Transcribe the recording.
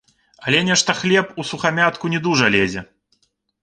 Але нешта хлеб усухамятку не дужа лезе.